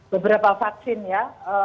beberapa vaksin ya